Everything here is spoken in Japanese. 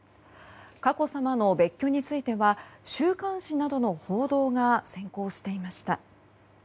佳子さまの別居については週刊誌などの報道が先行していました。